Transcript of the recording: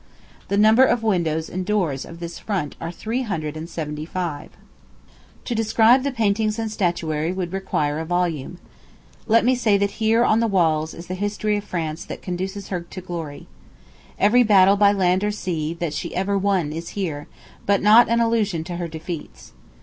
The number of windows and doors of this front are three hundred and seventy five." To describe the paintings and statuary would require a volume. Let me say that here on the walls is all the history of France that conduces to her glory. Every battle by land or sea, that she ever won, is here; but not an allusion to her defeats.